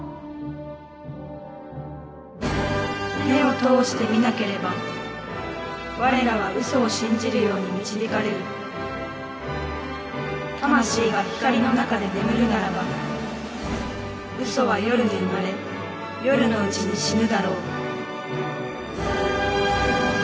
「目を通して見なければ我らは嘘を信じるように導かれる」「魂が光の中で眠るならば嘘は夜に生まれ夜のうちに死ぬだろう」